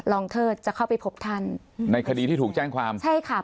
เทิดจะเข้าไปพบท่านในคดีที่ถูกแจ้งความใช่ค่ะ